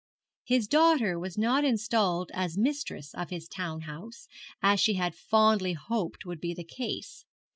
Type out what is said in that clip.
His daughter was not installed as mistress of his town house, as she had fondly hoped would be the case.